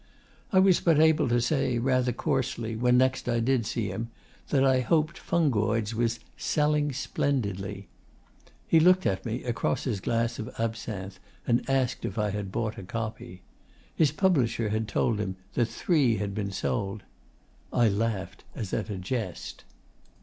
I was but able to say, rather coarsely, when next I did see him, that I hoped 'Fungoids' was 'selling splendidly.' He looked at me across his glass of absinthe and asked if I had bought a copy. His publisher had told him that three had been sold. I laughed, as at a jest.